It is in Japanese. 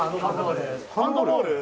ハンドボール？